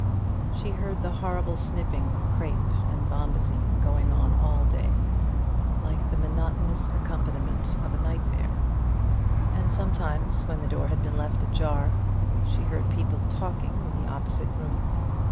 She heard the horrible snipping of crape and bombazine going on all day, like the monotonous accompaniment of a nightmare; and sometimes when the door had been left ajar, she heard people talking in the opposite room.